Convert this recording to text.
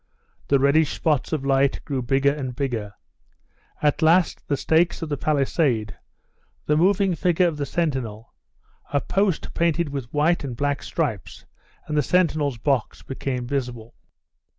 The reddish spots of light grew bigger and bigger; at last the stakes of the palisade, the moving figure of the sentinel, a post painted with white and black stripes and the sentinel's box became visible.